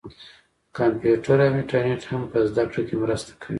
کمپیوټر او انټرنیټ هم په زده کړه کې مرسته کوي.